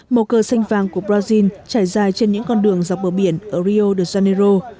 màu cờ xanh vàng của brazil trải dài trên những con đường dọc bờ biển ở rio de janeiro